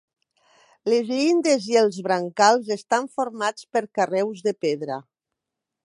Les llindes i els brancals estan formats per carreus de pedra.